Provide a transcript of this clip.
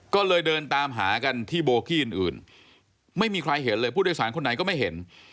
ก็เลยเดินตามหากันที่โบกี้อื่นไม่มีใครเห็นเลยผู้โดยสารคนไหนก็ไม่เห็น